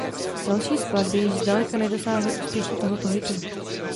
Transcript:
Další skladby již zdaleka nedosáhly úspěchu tohoto hitu.